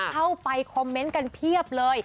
เข้าไปคอมเมนต์กันเพียบเลย